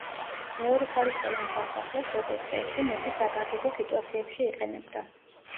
მეორეხარისხოვან სასახლეს, როგორ წესი, მეფე საგანგებო სიტუაციებში იყენებდა.